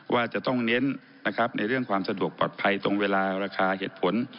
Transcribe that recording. ว่าจะต้องเน้นนะครับในเรื่องความสะดวกปลอดภัยตรงเวลาราคาเหตุผล